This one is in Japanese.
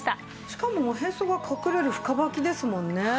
しかもおへそが隠れる深ばきですもんね。